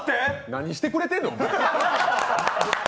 何してくれてんの！